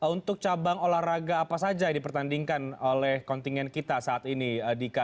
untuk cabang olahraga apa saja yang dipertandingkan oleh kontingen kita saat ini dika